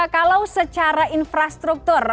kalau secara infrastruktur